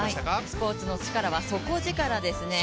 スポーツのチカラは底力ですね。